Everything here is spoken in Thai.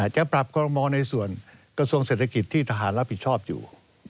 จะปรับคอรมอลในส่วนกระทรวงเศรษฐกิจที่ทหารรับผิดชอบอยู่